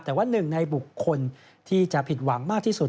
แต่ว่าหนึ่งในบุคคลที่จะผิดหวังมากที่สุด